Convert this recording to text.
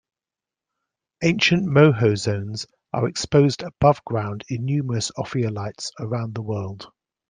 Ancient Moho zones are exposed above-ground in numerous ophiolites around the world.